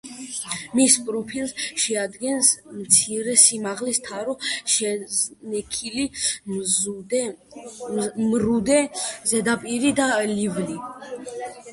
მის პროფილს შეადგენს მცირე სიმაღლის თარო, შეზნექილი მრუდე ზედაპირი და ლილვი.